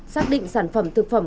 xác định sản phẩm thực phẩm